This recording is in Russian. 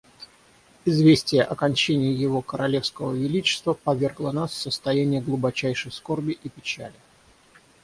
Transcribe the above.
Известие о кончине Его Королевского Высочества повергло нас в состояние глубочайшей скорби и печали.